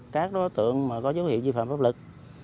các đối tượng có dấu hiệu di phạm pháp luật